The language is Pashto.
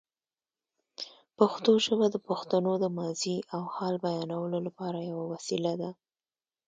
پښتو ژبه د پښتنو د ماضي او حال بیانولو لپاره یوه وسیله ده.